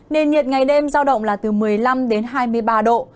nền nhiệt ngày đêm giao động là từ một mươi năm đến hai mươi ba độ